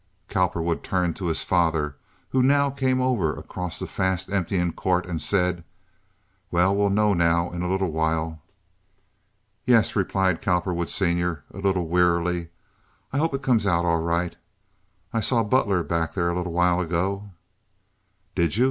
Cowperwood turned to his father who now came over across the fast emptying court, and said: "Well, we'll know now in a little while." "Yes," replied Cowperwood, Sr., a little wearily. "I hope it comes out right. I saw Butler back there a little while ago." "Did you?"